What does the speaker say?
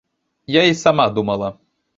Я і сама думала.